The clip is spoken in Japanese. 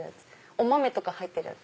お豆とか入ってるやつ！